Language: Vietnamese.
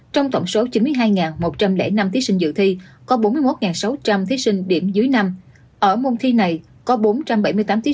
trong tổng số chín mươi hai một trăm linh năm thí sinh dự thi có bốn mươi một sáu trăm linh thí sinh điểm dưới năm ở môn thi này có bốn trăm bảy mươi tám thí sinh